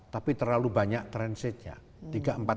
tapi terlalu banyak transitnya